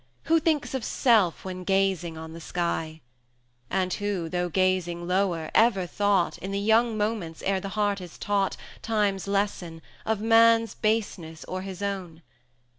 Who thinks of self when gazing on the sky? And who, though gazing lower, ever thought, In the young moments ere the heart is taught Time's lesson, of Man's baseness or his own?